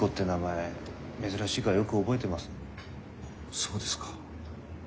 そうですか。